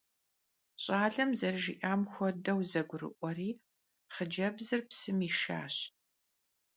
Ş'alem zerıjji'am xuedeu, zegurı'ueri xhıcebzır psım yişşaş.